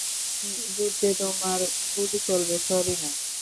যুদ্ধে তোমার গুলি চলবে, স্যরি নয়।